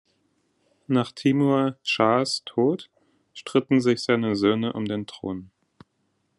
Nach Timur Schahs Tod stritten sich seine Söhne um den Thron.